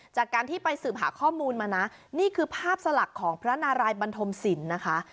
จากการที่ไปสืบหาข้อมูลมานะนี่คือภาพสลักของพระนารายบันทมศิลป์นะคะ